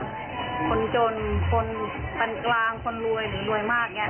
สังสัมมากิจฐานร้านนี้